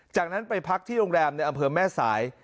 จากนั้นไปพักที่โรงแรมในอำเภอแม่สาย